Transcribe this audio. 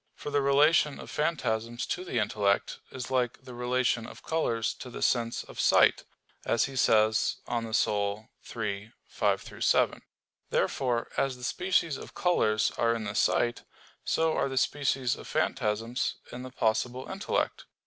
For the relation of phantasms to the intellect is like the relation of colors to the sense of sight, as he says De Anima iii, 5,7. Therefore, as the species of colors are in the sight, so are the species of phantasms in the possible intellect.